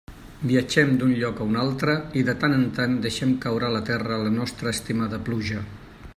Viatgem d'un lloc a un altre, i de tant en tant deixem caure a la terra la nostra estimada pluja.